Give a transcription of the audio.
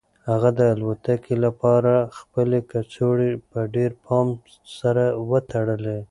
هغه د الوتنې لپاره خپلې کڅوړې په ډېر پام سره وتړلې.